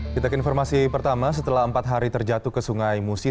kita ke informasi pertama setelah empat hari terjatuh ke sungai musi